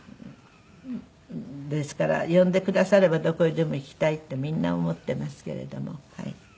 ですから呼んでくださればどこへでも行きたいってみんな思ってますけれども。